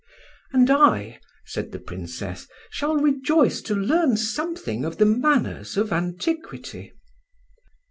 "And I," said the Princess, "shall rejoice to learn something of the manners of antiquity."